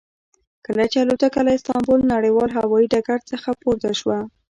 کله چې الوتکه له استانبول نړیوال هوایي ډګر څخه پورته شوه.